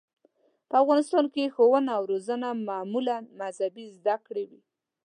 په افغانستان کې ښوونه او روزنه معمولاً مذهبي زده کړې وې.